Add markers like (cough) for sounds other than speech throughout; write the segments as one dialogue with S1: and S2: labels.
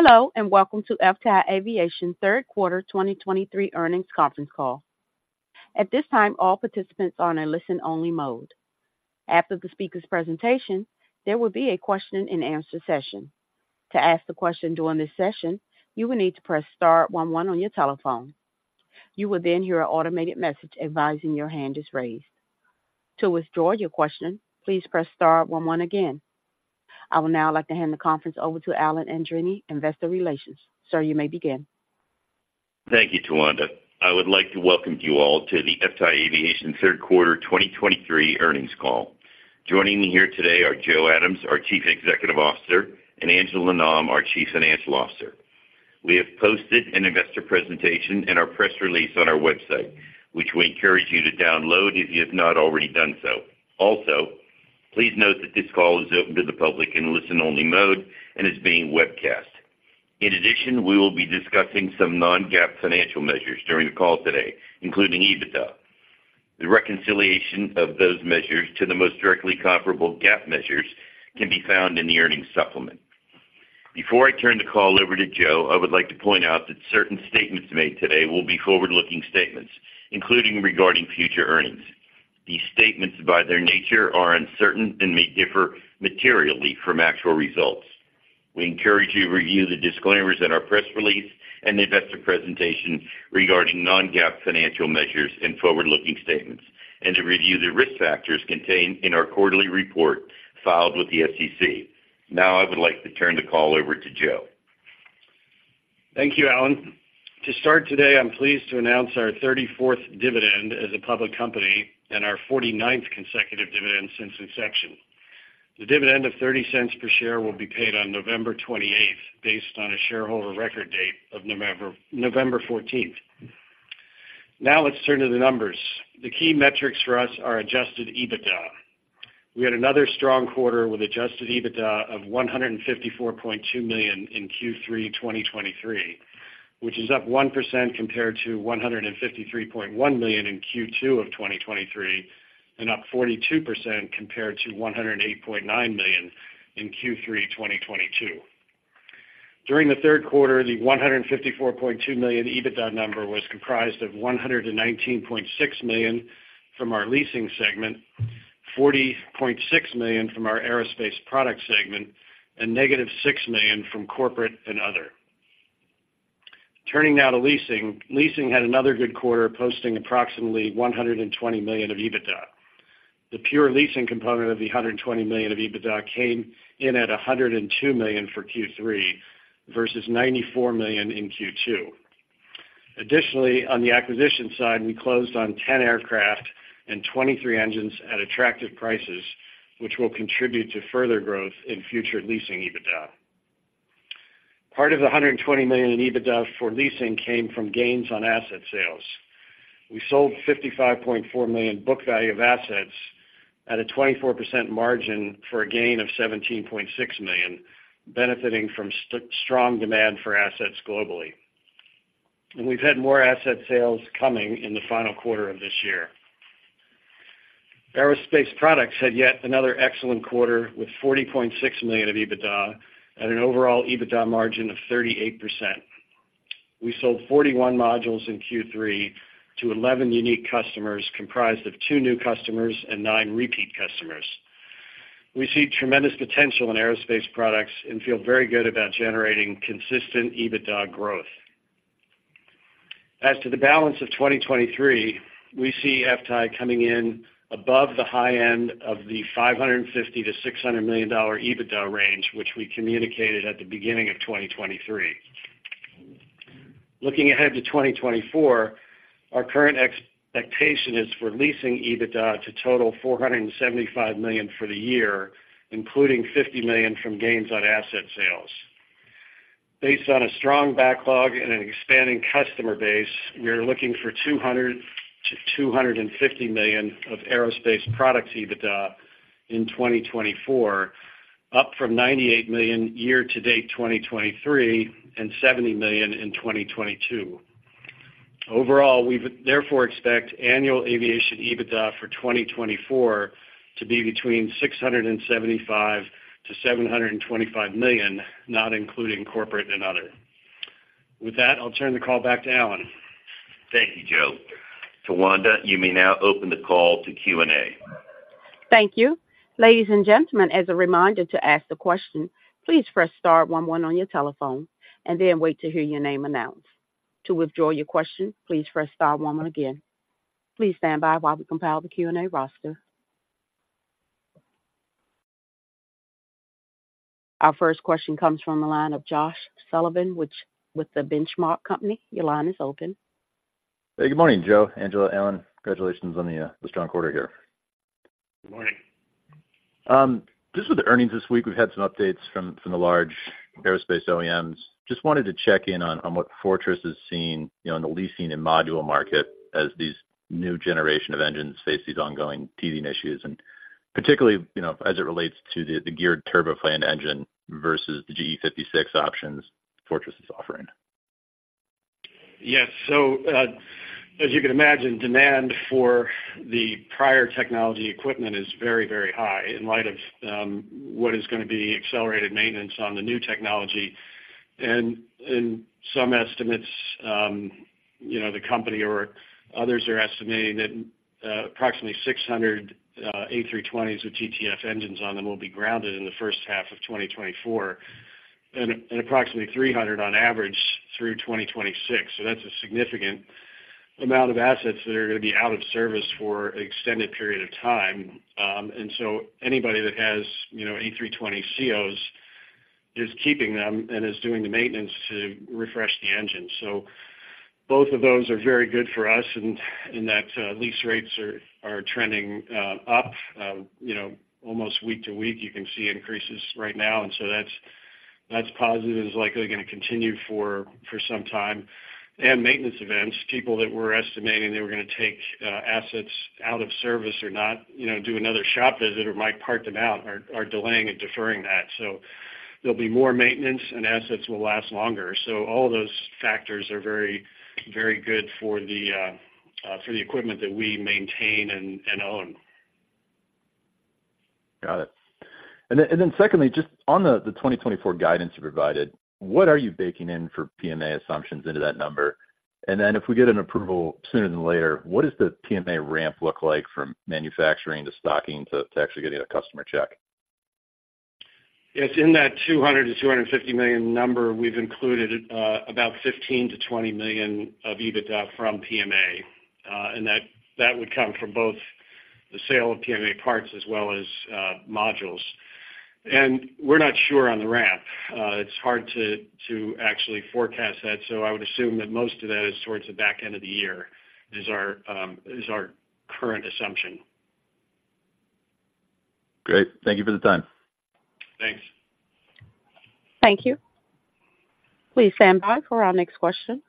S1: Hello, and welcome to FTAI Aviation Third Quarter 2023 Earnings Conference Call. At this time, all participants are in a listen-only mode. After the speaker's presentation, there will be a question-and-answer session. To ask the question during this session, you will need to press star one one on your telephone. You will then hear an automated message advising your hand is raised. To withdraw your question, please press star one one again. I will now like to hand the conference over to Alan Andreini, Investor Relations. Sir, you may begin.
S2: Thank you, Tawanda. I would like to welcome you all to the FTAI Aviation Third Quarter 2023 Earnings Call. Joining me here today are Joe Adams, our Chief Executive Officer, and Angela Nam, our Chief Financial Officer. We have posted an investor presentation in our press release on our website, which we encourage you to download if you have not already done so. Also, please note that this call is open to the public in listen-only mode and is being webcast. In addition, we will be discussing some non-GAAP financial measures during the call today, including EBITDA. The reconciliation of those measures to the most directly comparable GAAP measures can be found in the earnings supplement. Before I turn the call over to Joe, I would like to point out that certain statements made today will be forward-looking statements, including regarding future earnings. These statements, by their nature, are uncertain and may differ materially from actual results. We encourage you to review the disclaimers in our press release and investor presentation regarding non-GAAP financial measures and forward-looking statements, and to review the risk factors contained in our quarterly report filed with the SEC. Now I would like to turn the call over to Joe.
S3: Thank you, Alan. To start today, I'm pleased to announce our 34th dividend as a public company and our 49th consecutive dividend since inception. The dividend of $0.30 per share will be paid on November 28th, based on a shareholder record date of November 14th. Now, let's turn to the numbers. The key metrics for us are adjusted EBITDA. We had another strong quarter with adjusted EBITDA of $154.2 million in Q3 2023, which is up 1% compared to $153.1 million in Q2 2023, and up 42% compared to $108.9 million in Q3 2022. During the third quarter, the $154.2 million EBITDA number was comprised of $119.6 million from our leasing segment, $40.6 million from our aerospace product segment, and -$6 million from corporate and other. Turning now to leasing. Leasing had another good quarter, posting approximately $120 million of EBITDA. The pure leasing component of the $120 million of EBITDA came in at $102 million for Q3 versus $94 million in Q2. Additionally, on the acquisition side, we closed on 10 aircraft and 23 engines at attractive prices, which will contribute to further growth in future leasing EBITDA. Part of the $120 million in EBITDA for leasing came from gains on asset sales. We sold $55.4 million book value of assets at a 24% margin for a gain of $17.6 million, benefiting from strong demand for assets globally. And we've had more asset sales coming in the final quarter of this year. Aerospace products had yet another excellent quarter, with $40.6 million of EBITDA at an overall EBITDA margin of 38%. We sold 41 modules in Q3 to 11 unique customers, comprised of two new customers and nine repeat customers. We see tremendous potential in aerospace products and feel very good about generating consistent EBITDA growth. As to the balance of 2023, we see FTAI coming in above the high end of the $550 million-$600 million EBITDA range, which we communicated at the beginning of 2023. Looking ahead to 2024, our current expectation is for leasing EBITDA to total $475 million for the year, including $50 million from gains on asset sales. Based on a strong backlog and an expanding customer base, we are looking for $200 million-$250 million of aerospace products EBITDA in 2024, up from $98 million year-to-date 2023 and $70 million in 2022. Overall, we therefore expect annual aviation EBITDA for 2024 to be between $675 million-$725 million, not including corporate and other. With that, I'll turn the call back to Alan.
S2: Thank you, Joe. Tawanda, you may now open the call to Q&A.
S1: Thank you. Ladies and gentlemen, as a reminder to ask the question, please press star one one on your telephone and then wait to hear your name announced. To withdraw your question, please press star one one again. Please stand by while we compile the Q&A roster. Our first question comes from the line of Josh Sullivan with the Benchmark Company. Your line is open.
S4: Hey, good morning, Joe, Angela, Alan. Congratulations on the strong quarter here.
S3: Good morning.
S4: Just with the earnings this week, we've had some updates from the large aerospace OEMs. Just wanted to check in on what Fortress is seeing, you know, in the leasing and module market as these new generation of engines face these ongoing teething issues, and particularly, you know, as it relates to the Geared TurboFan engine versus the GE 56 options Fortress is offering?
S3: Yes. So, as you can imagine, demand for the prior technology equipment is very, very high in light of what is going to be accelerated maintenance on the new technology. And in some estimates, you know, the company or others are estimating that approximately 600 A320s with GTF engines on them will be grounded in the first half of 2024, and approximately 300 on average through 2026. So that's a significant amount of assets that are going to be out of service for an extended period of time. And so anybody that has, you know, A320ceos is keeping them and is doing the maintenance to refresh the engine. So both of those are very good for us in that lease rates are trending up, you know, almost week to week. You can see increases right now. And so that's positive, and is likely going to continue for some time. And maintenance events, people that were estimating they were going to take assets out of service or not, you know, do another shop visit or might park them out, are delaying and deferring that. So there'll be more maintenance and assets will last longer. So all of those factors are very, very good for the equipment that we maintain and own.
S4: Got it. And then secondly, just on the 2024 guidance you provided, what are you baking in for PMA assumptions into that number? And then if we get an approval sooner than later, what does the PMA ramp look like from manufacturing to stocking to actually getting a customer check?
S3: Yes, in that $200 million-$250 million number, we've included about $15 million-$20 million of EBITDA from PMA, and that would come from both the sale of PMA parts as well as modules. And we're not sure on the ramp. It's hard to actually forecast that, so I would assume that most of that is towards the back end of the year, is our current assumption.
S4: Great. Thank you for the time.
S3: Thanks.
S1: Thank you. Please stand by for our next question.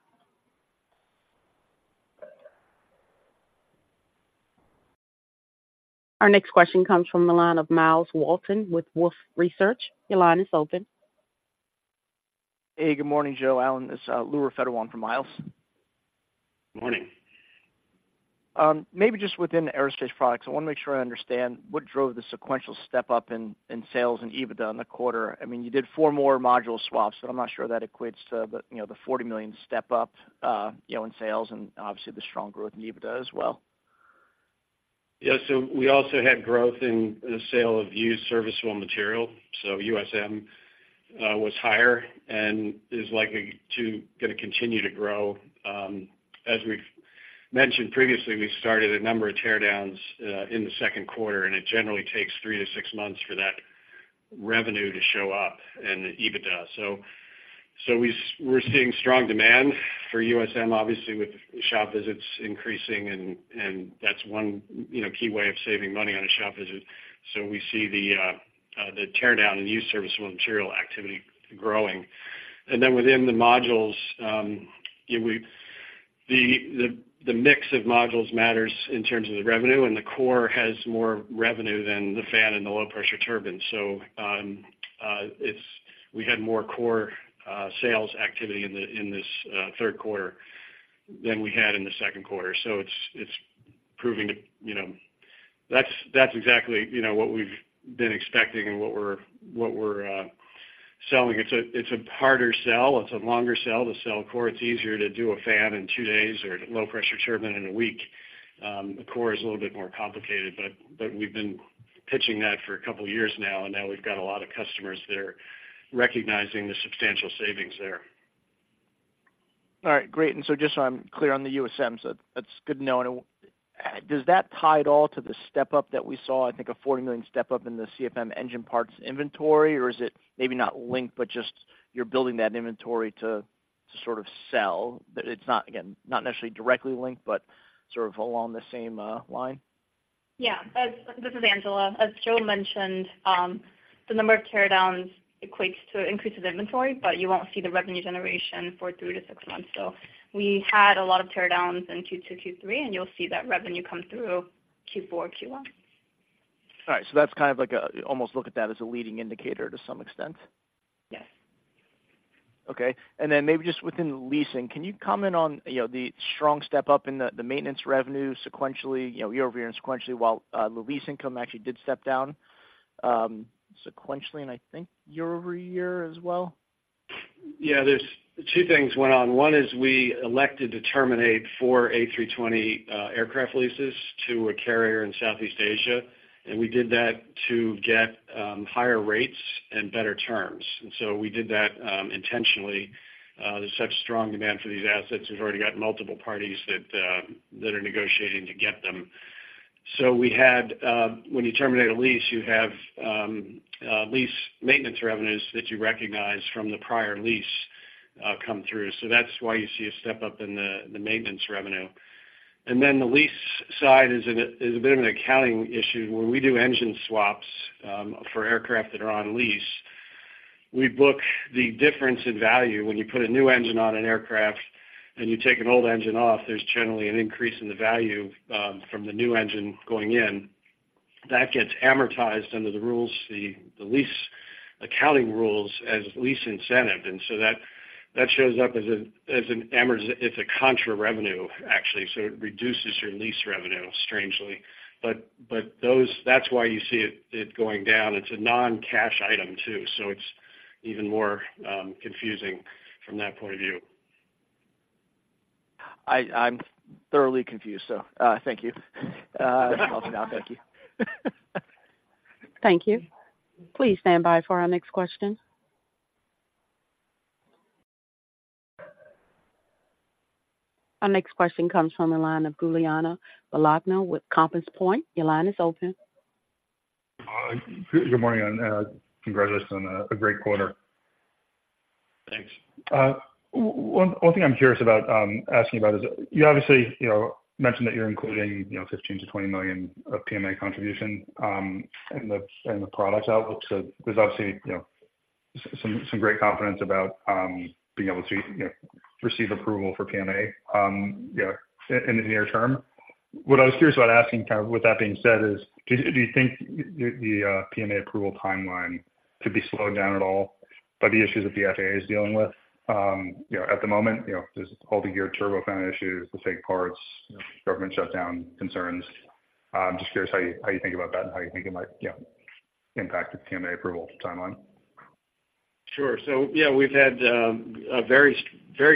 S1: Our next question comes from the line of Miles Walton with Wolfe Research. Your line is open.
S5: Hey, good morning, Joe, Alan, this is Louis Raffetto on for Miles.
S3: Morning.
S5: Maybe just within the aerospace products, I want to make sure I understand what drove the sequential step up in, in sales and EBITDA in the quarter. I mean, you did four more module swaps, but I'm not sure that equates to the, you know, the $40 million step up, you know, in sales and obviously the strong growth in EBITDA as well.
S3: Yeah, so we also had growth in the sale of used serviceable material. So USM was higher and is likely to continue to grow. As we've mentioned previously, we started a number of teardowns in the second quarter, and it generally takes three to six months for that revenue to show up and the EBITDA. So we're seeing strong demand for USM, obviously, with shop visits increasing, and that's one, you know, key way of saving money on a shop visit. So we see the teardown and used serviceable material activity growing. And then within the modules, the mix of modules matters in terms of the revenue, and the core has more revenue than the fan and the low pressure turbine. So, it's—we had more core sales activity in this third quarter than we had in the second quarter. So it's, it's proving to, you know—that's exactly, you know, what we've been expecting and what we're, what we're selling. It's a, it's a harder sell. It's a longer sell to sell core. It's easier to do a fan in two days or low pressure turbine in a week. The core is a little bit more complicated, but, but we've been pitching that for a couple of years now, and now we've got a lot of customers that are recognizing the substantial savings there.
S5: All right, great. And so just so I'm clear on the USM, so that's good to know. And does that tie at all to the step up that we saw, I think a $40 million step up in the CFM engine parts inventory? Or is it maybe not linked, but just you're building that inventory to sort of sell? But it's not, again, not necessarily directly linked, but sort of along the same line.
S6: Yeah. This is Angela. As Joe mentioned, the number of teardowns equates to increases in inventory, but you won't see the revenue generation for three to six months. So we had a lot of teardowns in Q2, Q3, and you'll see that revenue come through Q4, Q1.
S5: All right. So that's kind of like a, almost look at that as a leading indicator to some extent?
S6: Yes.
S5: Okay. And then maybe just within the leasing, can you comment on, you know, the strong step up in the maintenance revenue sequentially, you know, year-over-year and sequentially, while the lease income actually did step down sequentially, and I think year-over-year as well?
S3: Yeah, there's two things went on. One is we elected to terminate four A320 aircraft leases to a carrier in Southeast Asia, and we did that to get higher rates and better terms. And so we did that intentionally. There's such strong demand for these assets. We've already got multiple parties that are negotiating to get them. So we had when you terminate a lease, you have lease maintenance revenues that you recognize from the prior lease come through. So that's why you see a step up in the maintenance revenue. And then the lease side is a bit of an accounting issue. When we do engine swaps for aircraft that are on lease, we book the difference in value. When you put a new engine on an aircraft and you take an old engine off, there's generally an increase in the value from the new engine going in that gets amortized under the rules, the lease accounting rules as lease incentive. And so that shows up as it's a contra revenue, actually, so it reduces your lease revenue, strangely. That's why you see it going down. It's a non-cash item, too, so it's even more confusing from that point of view.
S5: I'm thoroughly confused, so thank you. I'll hang up, thank you.
S1: Thank you. Please stand by for our next question. Our next question comes from the line of Giuliano Bologna with Compass Point. Your line is open.
S7: Good morning, and congratulations on a great quarter.
S3: Thanks.
S7: One thing I'm curious about asking about is, you obviously, you know, mentioned that you're including, you know, $15 million-20 million of PMA contribution in the product outlook. So there's obviously, you know, some great confidence about being able to, you know, receive approval for PMA, you know, in the near term. What I was curious about asking, kind of, with that being said is, do you think the PMA approval timeline could be slowed down at all by the issues that the FAA is dealing with? You know, at the moment, you know, there's all the Geared TurboFan issues, the fake parts, government shutdown concerns. Just curious how you think about that and how you think it might, you know, impact the PMA approval timeline.
S3: Sure. So, you know, we've had a very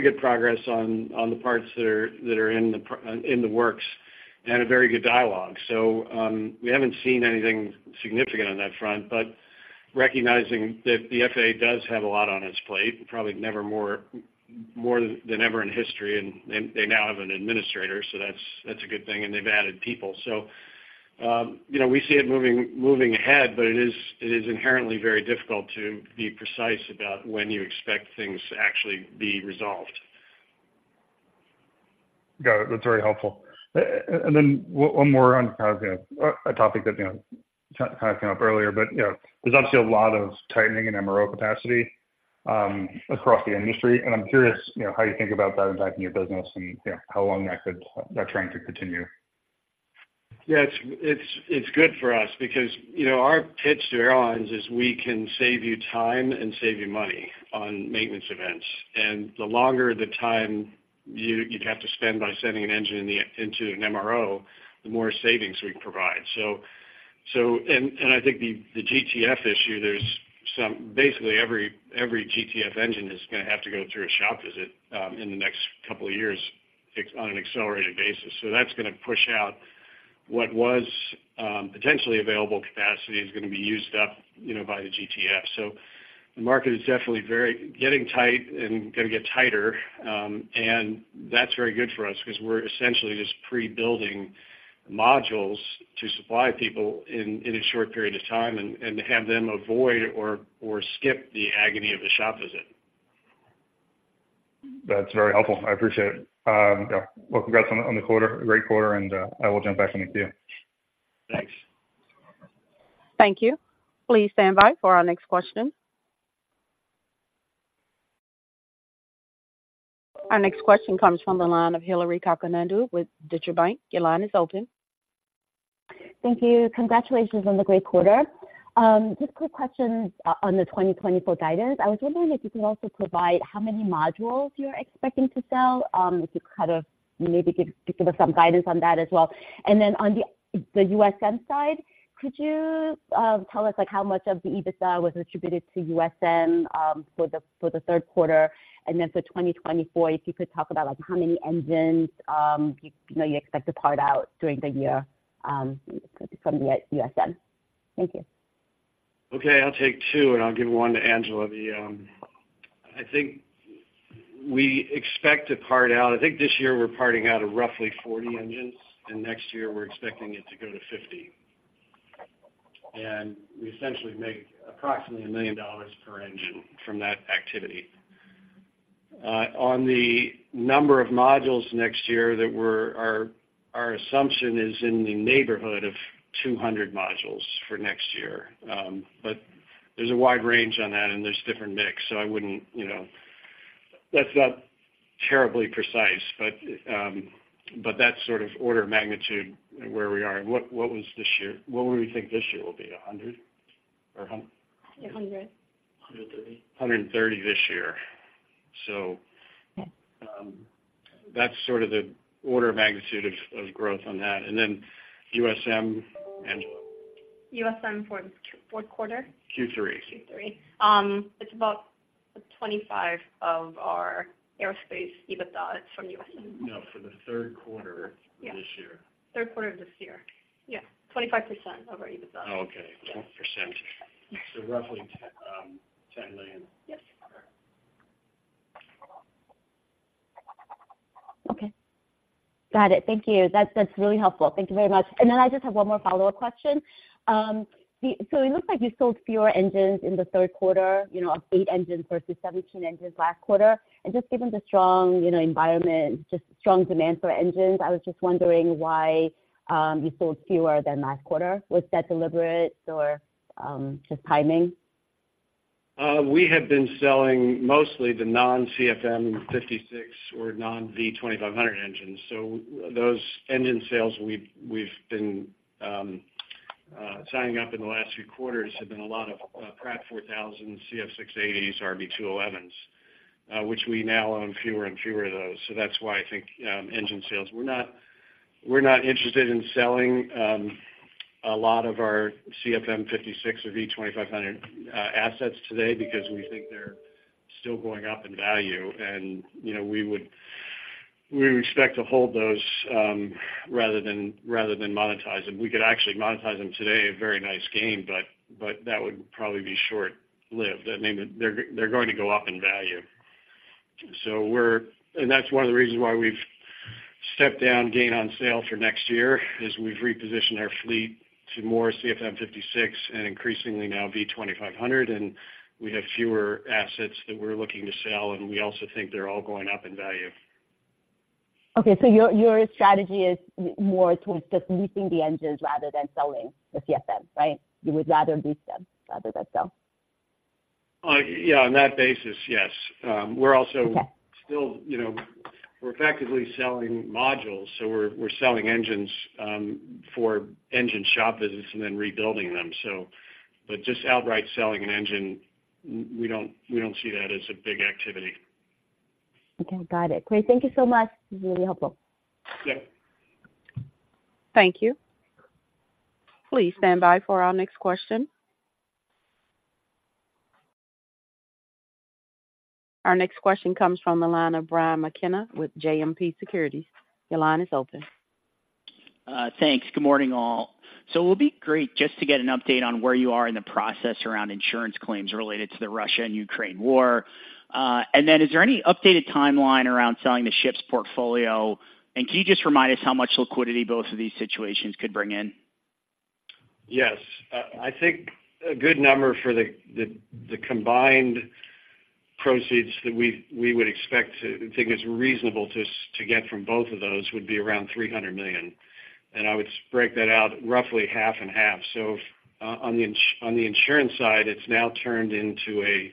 S3: good progress on the parts that are in the works, and a very good dialogue. So, we haven't seen anything significant on that front, but recognizing that the FAA does have a lot on its plate, probably never more than ever in history, and they now have an administrator, so that's a good thing, and they've added people. So, you know, we see it moving ahead, but it is inherently very difficult to be precise about when you expect things to actually be resolved.
S7: Got it. That's very helpful. And then one more on, kind of, a topic that, you know, kind of came up earlier, but, you know, there's obviously a lot of tightening in MRO capacity, across the industry, and I'm curious, you know, how you think about that impacting your business and, you know, how long that could, that trend could continue?
S3: Yeah, it's good for us because, you know, our pitch to airlines is we can save you time and save you money on maintenance events. And the longer the time you'd have to spend by sending an engine into an MRO, the more savings we provide. So, and I think the GTF issue, there's some, basically every GTF engine is gonna have to go through a shop visit in the next couple of years on an accelerated basis. So that's gonna push out what was potentially available capacity is gonna be used up, you know, by the GTF. The market is definitely very getting tight and gonna get tighter, and that's very good for us because we're essentially just pre-building modules to supply people in a short period of time and have them avoid or skip the agony of a shop visit.
S7: That's very helpful. I appreciate it. Yeah, well, congrats on the quarter, great quarter, and I will jump back in the queue.
S3: Thanks.
S1: Thank you. Please stand by for our next question. Our next question comes from the line of Hillary Cacanando with Deutsche Bank. Your line is open.
S8: Thank you. Congratulations on the great quarter. Just quick questions on the 2024 guidance. I was wondering if you could also provide how many modules you're expecting to sell, if you kind of maybe give, give us some guidance on that as well. And then on the USM side, could you tell us, like, how much of the EBITDA was attributed to USM for the third quarter? And then for 2024, if you could talk about, like, how many engines you know you expect to part out during the year from the USM? Thank you.
S3: Okay, I'll take two, and I'll give one to Angela. I think we expect to part out. I think this year we're parting out roughly 40 engines, and next year we're expecting it to go to 50. And we essentially make approximately $1 million per engine from that activity. On the number of modules next year, that we're—our assumption is in the neighborhood of 200 modules for next year. But there's a wide range on that, and there's different mix, so I wouldn't, you know... That's not terribly precise, but that's sort of order of magnitude where we are. What was this year? What would we think this year will be, 100? Or hun-
S6: A hundred.
S9: 130.
S3: 130 this year. So, that's sort of the order of magnitude of, of growth on that. And then USM, Angela?
S6: USM for fourth quarter?
S3: Q3.
S6: Q3. It's about 25% of our aerospace EBITDA from USM.
S3: No, for the third quarter-
S6: Yeah.
S3: -this year.
S6: Third quarter of this year. Yeah, 25% of our EBITDA.
S3: Oh, okay, 20%. So roughly $10 million.
S6: Yes.
S3: Okay.
S8: Okay. Got it. Thank you. That's, that's really helpful. Thank you very much. And then I just have one more follow-up question. So it looks like you sold fewer engines in the third quarter, you know, eight engines versus 17 engines last quarter. And just given the strong, you know, environment, just strong demand for engines, I was just wondering why you sold fewer than last quarter. Was that deliberate or just timing?
S3: We have been selling mostly the non-CFM56 or non-V2500 engines. So those engine sales we've been signing up in the last few quarters have been a lot of Pratt 4000, CF6-80s, RB211s, which we now own fewer and fewer of those. So that's why I think engine sales. We're not interested in selling a lot of our CFM56 or V2500 assets today because we think they're still going up in value, and, you know, we would, we expect to hold those, rather than monetize them. We could actually monetize them today, a very nice gain, but that would probably be short-lived. I mean, they're going to go up in value. So we're, and that's one of the reasons why we've stepped down gain on sale for next year, is we've repositioned our fleet to more CFM56 and increasingly now V2500, and we have fewer assets that we're looking to sell, and we also think they're all going up in value.
S8: Okay, so your strategy is more towards just leasing the engines rather than selling the CFM, right? You would rather lease them rather than sell.
S3: Yeah, on that basis, yes. We're also-
S8: Okay.
S3: Still, you know, we're effectively selling modules, so we're selling engines for engine shop visits and then rebuilding them, so. But just outright selling an engine, we don't see that as a big activity.
S8: Okay, got it. Great. Thank you so much. This is really helpful.
S3: Yeah.
S1: Thank you. Please stand by for our next question. Our next question comes from the line of Brian McKenna with JMP Securities. Your line is open.
S10: Thanks. Good morning, all. So it would be great just to get an update on where you are in the process around insurance claims related to the Russia-Ukraine war. And then is there any updated timeline around selling the ships portfolio? And can you just remind us how much liquidity both of these situations could bring in?
S3: Yes. I think a good number for the combined proceeds that we would expect to think is reasonable to get from both of those would be around $300 million. And I would break that out roughly half and half. So, on the insurance side, it's now turned into a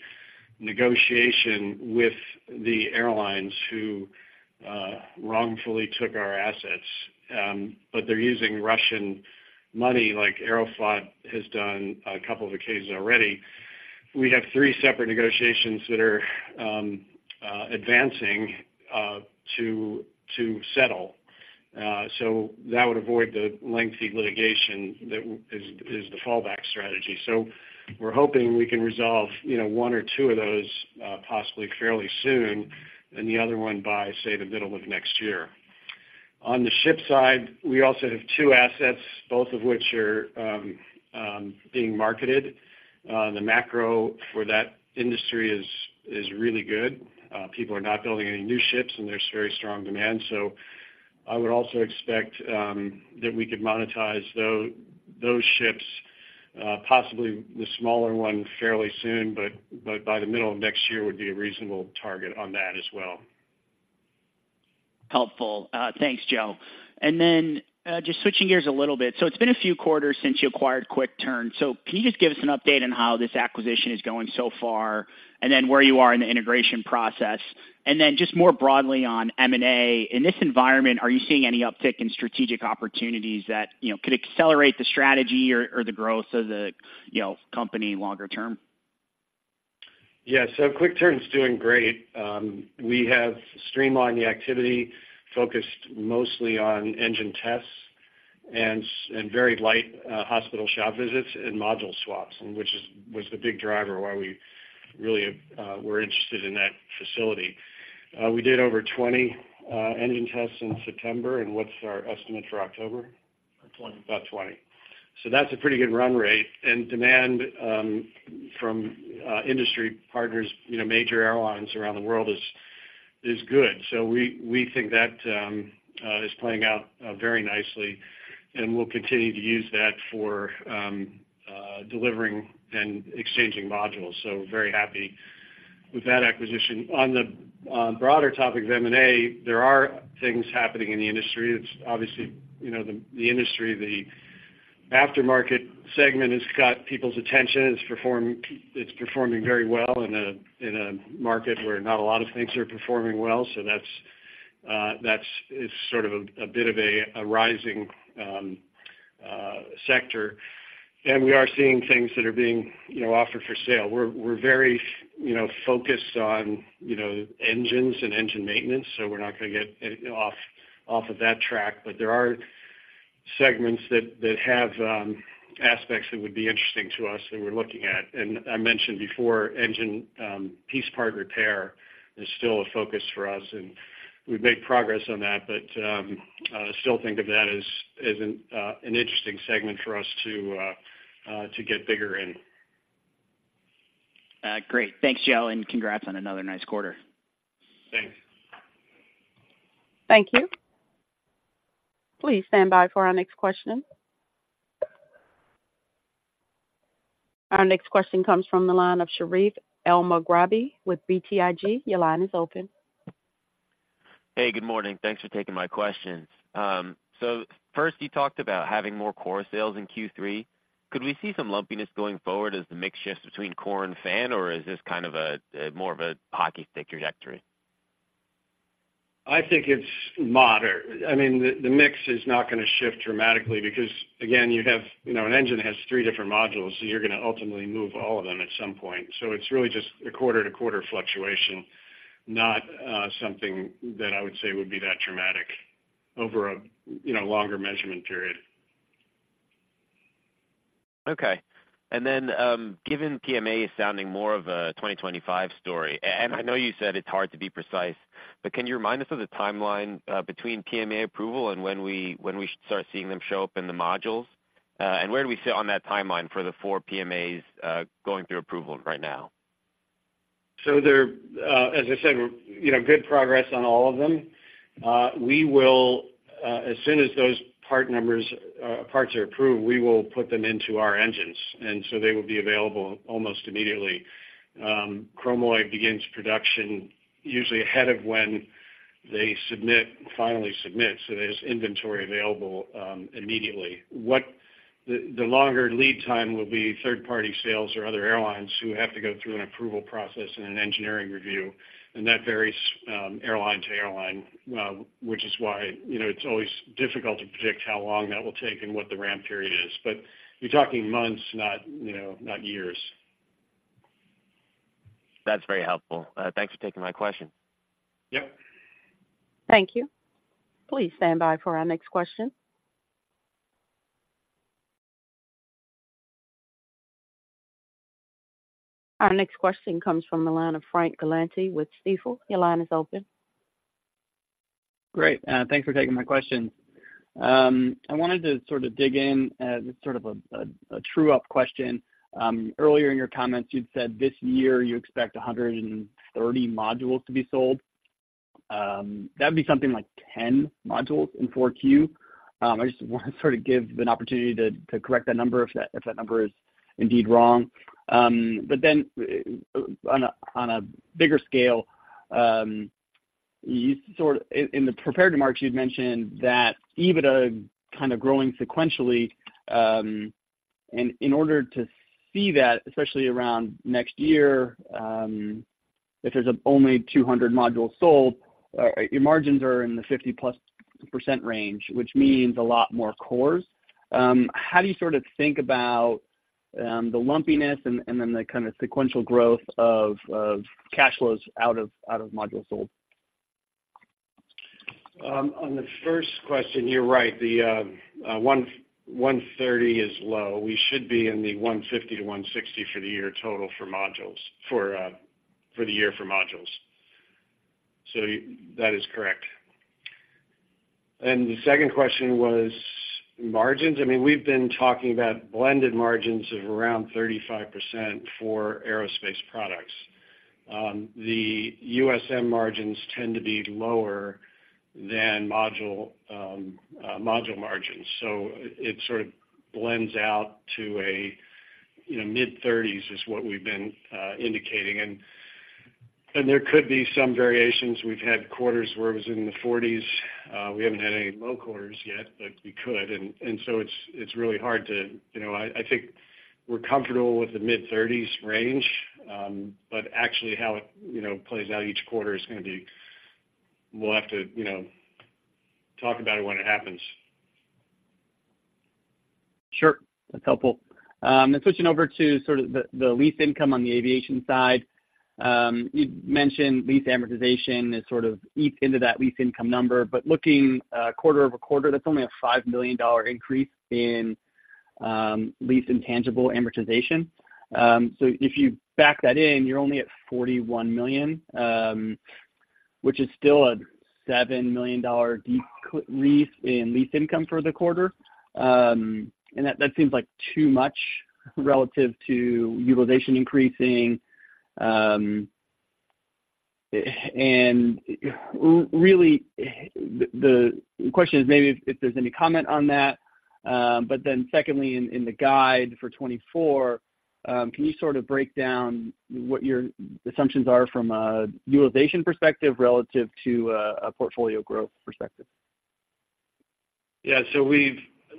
S3: negotiation with the airlines who wrongfully took our assets. But they're using Russian money, like Aeroflot has done on a couple of occasions already. We have three separate negotiations that are advancing to settle. So that would avoid the lengthy litigation that is the fallback strategy. So we're hoping we can resolve, you know, one or two of those, possibly fairly soon, and the other one by, say, the middle of next year. On the ship side, we also have two assets, both of which are being marketed. The macro for that industry is really good. People are not building any new ships, and there's very strong demand. So I would also expect that we could monetize those ships, possibly the smaller one fairly soon, but by the middle of next year would be a reasonable target on that as well.
S10: Helpful. Thanks, Joe. And then, just switching gears a little bit. So it's been a few quarters since you acquired QuickTurn. So can you just give us an update on how this acquisition is going so far, and then where you are in the integration process? And then just more broadly on M&A, in this environment, are you seeing any uptick in strategic opportunities that, you know, could accelerate the strategy or, or the growth of the, you know, company longer term?
S3: Yeah, so QuickTurn is doing great. We have streamlined the activity, focused mostly on engine tests and very light hospital shop visits and module swaps, and which is, was the big driver why we really were interested in that facility. We did over 20 engine tests in September, and what's our estimate for October?
S9: About. About 20.
S3: So that's a pretty good run rate. And demand from industry partners, you know, major airlines around the world is good. So we think that is playing out very nicely, and we'll continue to use that for delivering and exchanging modules. So very happy with that acquisition. On the broader topic of M&A, there are things happening in the industry. It's obviously, you know, the industry, the aftermarket segment has got people's attention. It's performing very well in a market where not a lot of things are performing well. So that's sort of a bit of a rising sector. And we are seeing things that are being, you know, offered for sale. We're very, you know, focused on, you know, engines and engine maintenance, so we're not going to get off of that track. But there are segments that have aspects that would be interesting to us that we're looking at. And I mentioned before, engine piece part repair is still a focus for us, and we've made progress on that, but still think of that as an interesting segment for us to get bigger in.
S10: Great. Thanks, Joe, and congrats on another nice quarter.
S3: Thanks.
S1: Thank you. Please stand by for our next question. Our next question comes from the line of Sherif Elmaghrabi with BTIG. Your line is open.
S11: Hey, good morning. Thanks for taking my questions. So first, you talked about having more core sales in Q3. Could we see some lumpiness going forward as the mix shifts between core and fan, or is this kind of a more of a hockey stick trajectory?
S3: I think it's moderate. I mean, the mix is not gonna shift dramatically because, again, you have, you know, an engine has three different modules, so you're gonna ultimately move all of them at some point. So it's really just a quarter-to-quarter fluctuation, not something that I would say would be that dramatic over a, you know, longer measurement period.
S11: Okay. Then, given PMA is sounding more of a 2025 story, and I know you said it's hard to be precise, but can you remind us of the timeline between PMA approval and when we, when we start seeing them show up in the modules? And where do we sit on that timeline for the four PMAs going through approval right now?
S3: So there, as I said, we're, you know, good progress on all of them. We will, as soon as those part numbers, parts are approved, we will put them into our engines, and so they will be available almost immediately. Chromalloy begins production usually ahead of when they submit, finally submit, so there's inventory available, immediately. The longer lead time will be third-party sales or other airlines who have to go through an approval process and an engineering review, and that varies, airline to airline, which is why, you know, it's always difficult to predict how long that will take and what the ramp period is. But you're talking months, not, you know, not years.
S11: That's very helpful. Thanks for taking my question.
S3: Yep.
S1: Thank you. Please stand by for our next question. Our next question comes from the line of Frank Galanti with Stifel. Your line is open.
S12: Great, thanks for taking my question. I wanted to sort of dig in, just sort of a true-up question. Earlier in your comments, you'd said this year you expect 130 modules to be sold. That'd be something like 10 modules in 4Q. I just want to sort of give an opportunity to correct that number, if that number is indeed wrong. But then, on a bigger scale, you sort of, in the prepared remarks, you'd mentioned that EBITDA kind of growing sequentially, and in order to see that, especially around next year, if there's only 200 modules sold, your margins are in the 50%+ range, which means a lot more cores. How do you sort of think about the lumpiness and then the kind of sequential growth of cash flows out of modules sold?
S3: On the first question, you're right, the 130 is low. We should be in the $150-$160 for the year total for modules, for the year for modules. So you... That is correct. And the second question was margins. I mean, we've been talking about blended margins of around 35% for aerospace products. The USM margins tend to be lower than module module margins. So it, it sort of blends out to a, you know, mid-30s is what we've been indicating. And there could be some variations. We've had quarters where it was in the 40s, we haven't had any low quarters yet, but we could. So it's really hard to, you know, I think we're comfortable with the mid-thirties range, but actually how it, you know, plays out each quarter is gonna be, we'll have to, you know, talk about it when it happens.
S12: Sure, that's helpful. Then switching over to sort of the lease income on the aviation side. You'd mentioned lease amortization is sort of eased into that lease income number, but looking quarter-over-quarter, that's only a $5 million increase in lease intangible amortization. So if you back that in, you're only at $41 million, which is still a $7 million decrease in lease income for the quarter. And that seems like too much relative to utilization increasing. Really, the question is maybe if there's any comment on that. But then secondly, in the guide for 2024, can you sort of break down what your assumptions are from a utilization perspective relative to a portfolio growth perspective?
S3: Yeah, so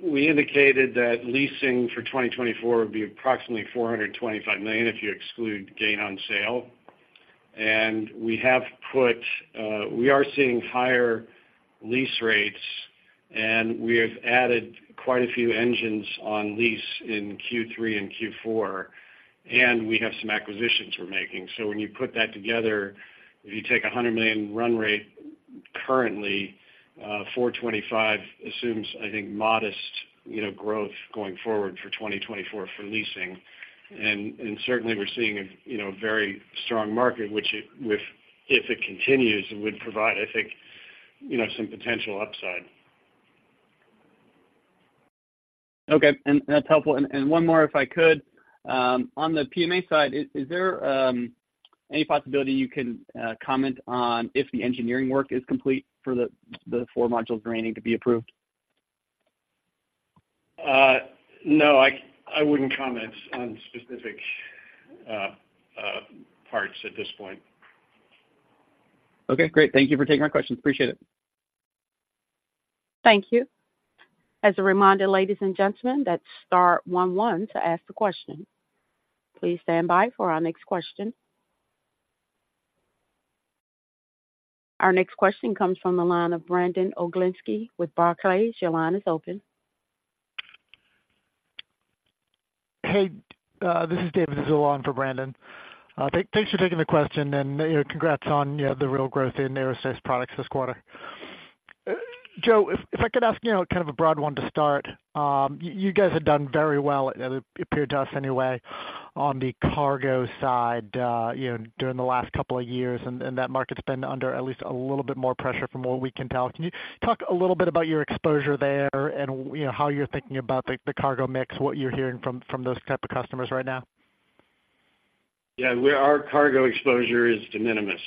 S3: we indicated that leasing for 2024 would be approximately $425 million, if you exclude gain on sale. We are seeing higher lease rates, and we have added quite a few engines on lease in Q3 and Q4, and we have some acquisitions we're making. So when you put that together, if you take a $100 million run rate currently, $425 assumes, I think, modest, you know, growth going forward for 2024 for leasing. And certainly we're seeing a, you know, very strong market, which, if it continues, would provide, I think, you know, some potential upside.
S12: Okay, and that's helpful. And one more, if I could. On the PMA side, is there any possibility you can comment on if the engineering work is complete for the four modules remaining to be approved?
S3: No, I wouldn't comment on specific parts at this point.
S12: Okay, great. Thank you for taking my questions. Appreciate it.
S1: Thank you. As a reminder, ladies and gentlemen, that's star one one to ask the question. Please stand by for our next question. Our next question comes from the line of Brandon Oglenski with Barclays. Your line is open.
S13: Hey, this is David Zazula on for Brandon. Thanks for taking the question, and, you know, congrats on, you know, the real growth in aerospace products this quarter. Joe, if I could ask, you know, kind of a broad one to start. You guys have done very well, it appeared to us anyway, on the cargo side, you know, during the last couple of years, and that market's been under at least a little bit more pressure from what we can tell. Can you talk a little bit about your exposure there and, you know, how you're thinking about the cargo mix, what you're hearing from those type of customers right now?
S3: Yeah, we, our cargo exposure is de minimis.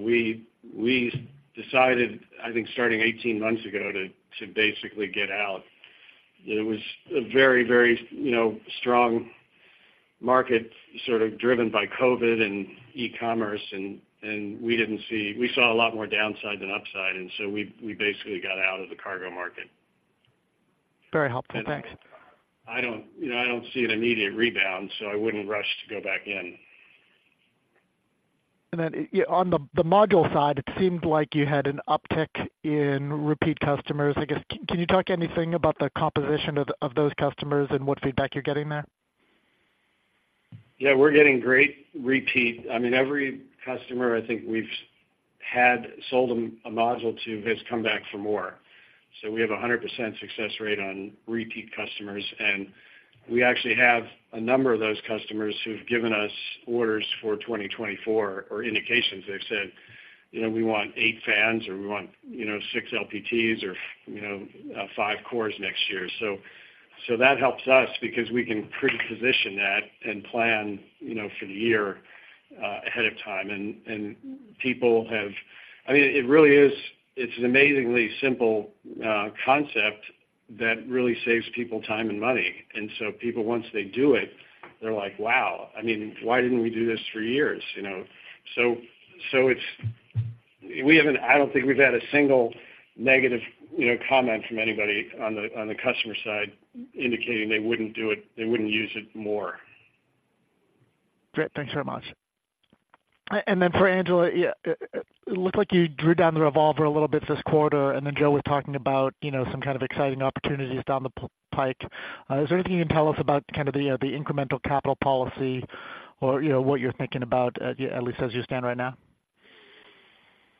S3: We, we decided, I think starting 18 months ago, to basically get out. It was a very, very, you know, strong market, sort of driven by COVID and e-commerce, and we didn't see.—we saw a lot more downside than upside, and so we, we basically got out of the cargo market.
S13: Very helpful. Thanks.
S3: I don't, you know, I don't see an immediate rebound, so I wouldn't rush to go back in.
S13: Then, yeah, on the module side, it seemed like you had an uptick in repeat customers. I guess, can you talk anything about the composition of those customers and what feedback you're getting there?
S3: Yeah, we're getting great repeat. I mean, every customer I think we've had sold a module to has come back for more. So we have a 100% success rate on repeat customers, and we actually have a number of those customers who've given us orders for 2024, or indications. They've said, you know, "We want eight fans," or "We want six LPTs," or you know, "five cores next year." So that helps us because we can pre-position that and plan, you know, for the year ahead of time. And people have. I mean, it really is. It's an amazingly simple concept that really saves people time and money. And so people, once they do it, they're like: Wow! I mean, why didn't we do this for years? You know, so it's... We haven't—I don't think we've had a single negative, you know, comment from anybody on the customer side, indicating they wouldn't do it, they wouldn't use it more.
S13: Great. Thanks very much. And then for Angela, yeah, it looked like you drew down the revolver a little bit this quarter, and then Joe was talking about, you know, some kind of exciting opportunities down the pike. Is there anything you can tell us about kind of the incremental capital policy or, you know, what you're thinking about, at least as you stand right now?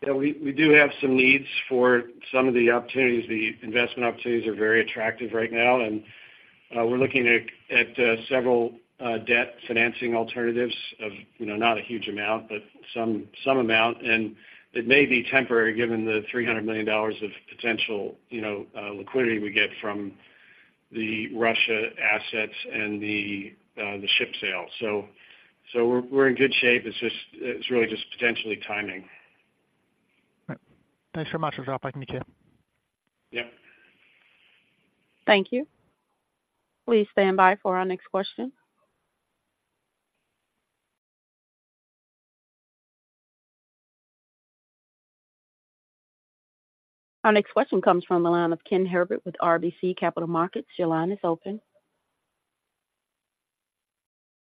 S3: Yeah, we do have some needs for some of the opportunities. The investment opportunities are very attractive right now, and we're looking at several debt financing alternatives of, you know, not a huge amount, but some amount. And it may be temporary, given the $300 million of potential, you know, liquidity we get from the Russia assets and the ship sale. So we're in good shape. It's just, it's really just potentially timing.
S13: Thanks so much (inaudible) to you.
S3: Yeah.
S1: Thank you. Please stand by for our next question. Our next question comes from the line of Ken Herbert with RBC Capital Markets. Your line is open.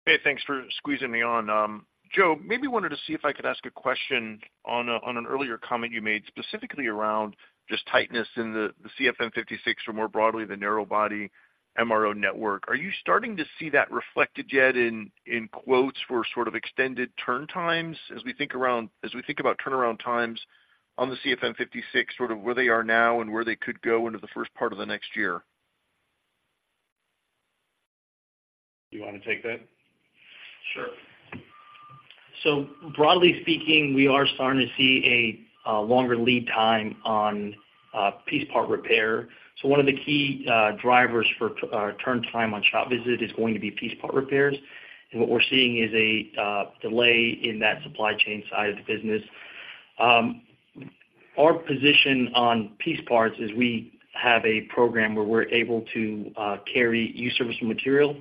S14: Hey, thanks for squeezing me on. Joe, maybe wanted to see if I could ask a question on an earlier comment you made, specifically around just tightness in the CFM56 or more broadly, the narrow body MRO network. Are you starting to see that reflected yet in quotes for sort of extended turn times? As we think about turnaround times on the CFM56, sort of where they are now and where they could go into the first part of the next year.
S3: You want to take that?
S9: Sure. So broadly speaking, we are starting to see a longer lead time on piece part repair. So one of the key drivers for the turn time on shop visit is going to be piece part repairs. And what we're seeing is a delay in that supply chain side of the business. Our position on piece parts is we have a program where we're able to carry used serviceable material.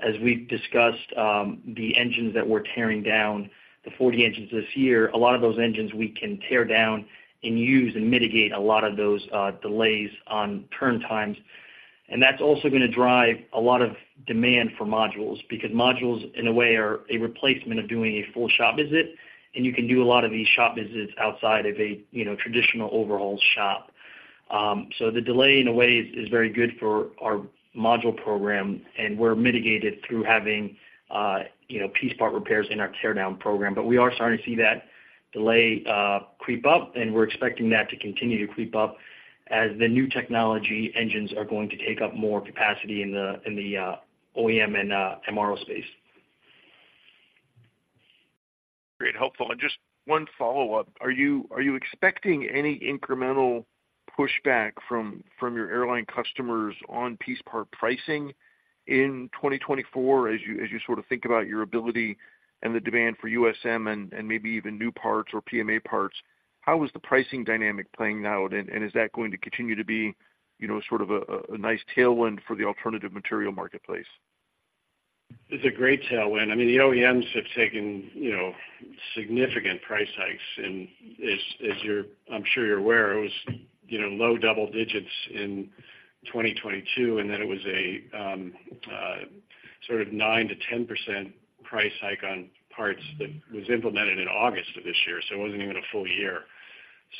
S9: As we've discussed, the engines that we're tearing down, the 40 engines this year, a lot of those engines we can tear down and use and mitigate a lot of those delays on turn times. And that's also gonna drive a lot of demand for modules, because modules, in a way, are a replacement of doing a full shop visit, and you can do a lot of these shop visits outside of a, you know, traditional overhaul shop. So the delay, in a way, is very good for our module program, and we're mitigated through having, you know, piece part repairs in our teardown program. But we are starting to see that delay creep up, and we're expecting that to continue to creep up as the new technology engines are going to take up more capacity in the OEM and MRO space.
S14: Great, helpful. Just one follow-up. Are you expecting any incremental pushback from your airline customers on piece part pricing in 2024, as you sort of think about your ability and the demand for USM and maybe even new parts or PMA parts? How is the pricing dynamic playing out, and is that going to continue to be, you know, sort of a nice tailwind for the alternative material marketplace?
S3: It's a great tailwind. I mean, the OEMs have taken, you know, significant price hikes, and as you're, I'm sure you're aware, it was, you know, low double digits in 2022, and then it was a sort of 9%-10% price hike on parts that was implemented in August of this year, so it wasn't even a full year.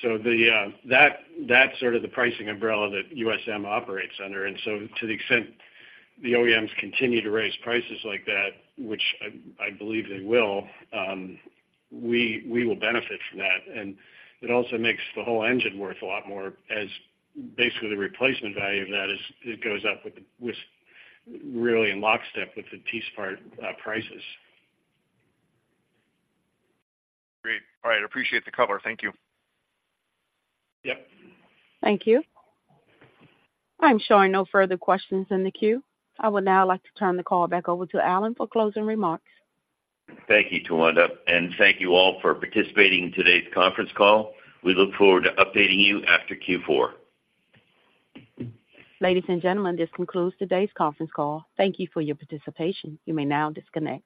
S3: So that, that's sort of the pricing umbrella that USM operates under. And so to the extent the OEMs continue to raise prices like that, which I believe they will, we will benefit from that. And it also makes the whole engine worth a lot more, as basically the replacement value of that is, it goes up with really in lockstep with the piece part prices.
S14: Great. All right. Appreciate the cover. Thank you.
S3: Yep.
S1: Thank you. I'm showing no further questions in the queue. I would now like to turn the call back over to Alan for closing remarks.
S2: Thank you, Tawanda, and thank you all for participating in today's conference call. We look forward to updating you after Q4.
S1: Ladies and gentlemen, this concludes today's conference call. Thank you for your participation. You may now disconnect.